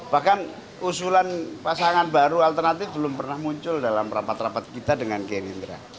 bahkan usulan pasangan baru alternatif belum pernah muncul dalam rapat rapat kita dengan gerindra